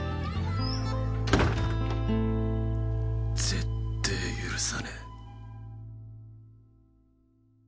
絶対許さねえ。